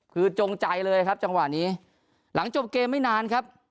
คือจงใจเลยครับจังหวะนี้หลังจบเกมไม่นานครับ